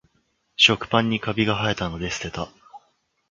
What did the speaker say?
食パンにカビがはえたので捨てた